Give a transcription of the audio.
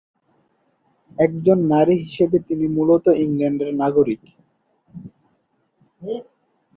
একজন নারী হিসেবে তিনি মূলত ইংল্যান্ডের নাগরিক।